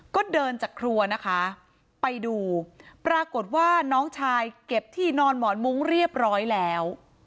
ก็เดินจากครัวนะคะไปดูปรากฏว่าน้องชายเก็บที่นอนหมอนมุ้งเรียบร้อยแล้ว